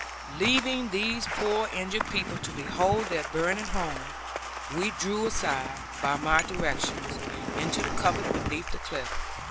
Leaving these poor injured people to behold their burning home, we drew aside, by my directions, into the covert beneath the cliff.